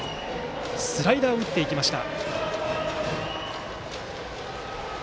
スライダーを打っていきました。